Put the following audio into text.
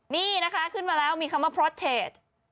นี้นะครับขึ้นมาแล้วว่าพอสเทค